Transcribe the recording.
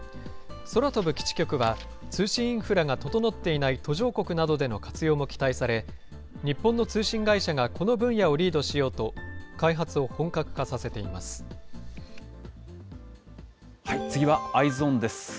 空飛ぶ基地局は、通信インフラが整っていない途上国などでの活用も期待され、日本の通信会社がこの分野をリードしようと、開発を次はＥｙｅｓｏｎです。